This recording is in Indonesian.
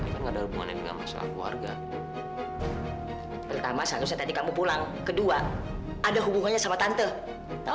keluarga pertama saya tadi kamu pulang kedua ada hubungannya sama tante tahu